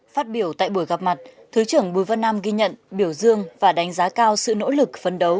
phát biểu tại buổi gặp mặt thứ trưởng bùi văn nam ghi nhận biểu dương và đánh giá cao sự nỗ lực phấn đấu